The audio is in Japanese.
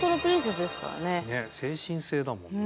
精神性だもんね。